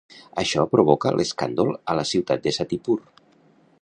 Això provoca l'escàndol a la ciutat de Satipur.